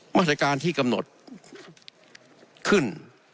มาตรการที่กำหนดขึ้น